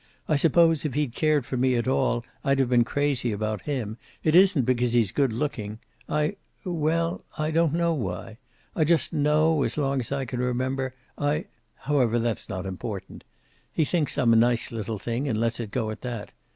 "I suppose, if he'd cared for me at all, I'd have been crazy about him. It isn't because he's good looking. I well, I don't know why. I just know, as long as I can remember, I however, that's not important. He thinks I'm a nice little thing and lets it go at that.